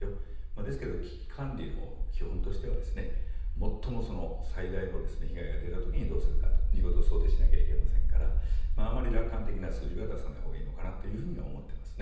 ですけど危機管理の基本としては最大の被害が出た時にどうするかということを想定しないといけませんからあまり楽観的な数字は出さないほうがいいのかなと思っていますね。